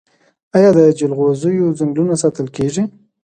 آیا د جلغوزیو ځنګلونه ساتل کیږي؟